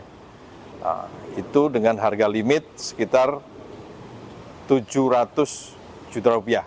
nah itu dengan harga limit sekitar rp tujuh ratus juta rupiah